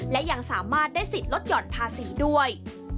และยังสามารถได้สิทธิ์ลดหย่อนภาษีด้วย